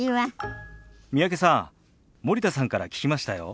三宅さん森田さんから聞きましたよ。